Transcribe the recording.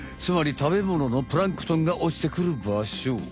つまり食べもののプランクトンが落ちてくるばしょ。